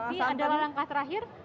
ini adalah langkah terakhir